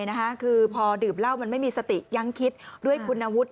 พอบราคาดื่มเลิศไม่มีสติยังคิดด้วยคุณวุฒิ